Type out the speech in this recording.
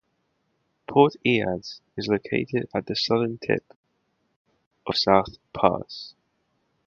Port Eads is located at the southern tip of South Pass.